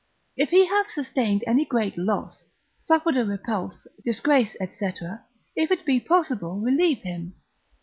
If he have sustained any great loss, suffered a repulse, disgrace, &c., if it be possible, relieve him.